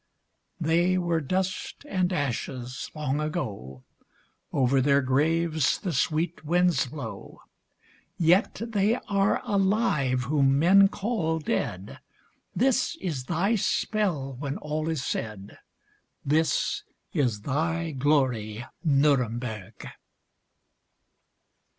They were dust and ashes long ago ; Over their graves the sweet winds blow ; Yet they are alive whom men call dead — This is thy spell, when all is said ; This is thy glory, Nuremberg